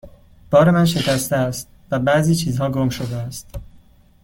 بار من شکسته است و بعضی چیزها گم شده است.